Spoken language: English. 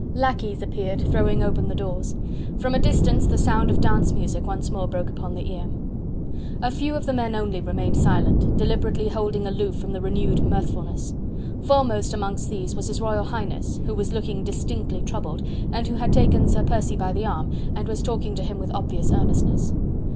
Lacqueys appeared, throwing open the doors. From a distance the sound of dance music once more broke upon the ear. A few of the men only remained silent, deliberately holding aloof from the renewed mirthfulness. Foremost amongst these was His Royal Highness, who was looking distinctly troubled, and who had taken Sir Percy by the arm, and was talking to him with obvious earnestness.